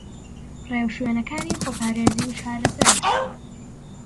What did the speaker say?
رێوشوێنەکانی خۆپارێزی و چارەسەر